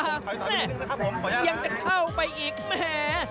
แม่ยังจะเข้าไปอีกแหม